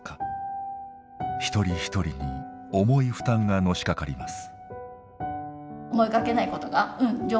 一人一人に重い負担がのしかかります。